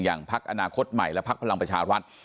อย่างพักธนาคตใหม่และภักดิ์พลังประชาวัฒน์